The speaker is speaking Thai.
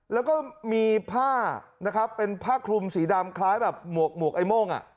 แล้วก็มีผ้านะครับเป็นผ้าคลุมสีดำคล้ายแบบหมวกไอ้โม่ง